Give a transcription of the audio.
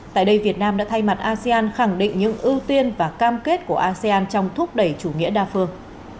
tại đây việt nam đã thay mặt asean khẳng định những ưu tiên và cam kết của asean trong thúc đẩy chủ nghĩa đa phương